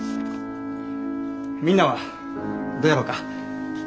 みんなはどやろか？